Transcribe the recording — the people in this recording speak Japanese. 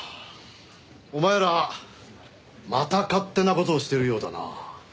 お前らまた勝手な事をしてるようだな。